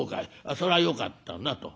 それはよかったな』と。